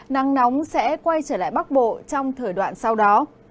nắng nóng sẽ quay trở lại bắc bộ trong thời đoạn sau đó